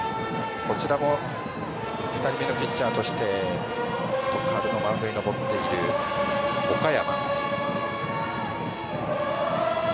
２人目のピッチャーとして徳栄のマウンドに上がっている岡山。